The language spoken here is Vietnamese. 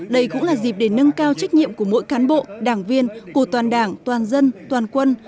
đây cũng là dịp để nâng cao trách nhiệm của mỗi cán bộ đảng viên của toàn đảng toàn dân toàn quân